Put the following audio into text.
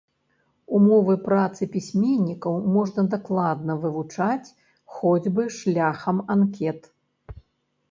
Умовы працы пісьменнікаў можна дакладна вывучыць хоць бы шляхам анкет.